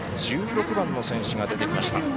１６番の選手が出てきました。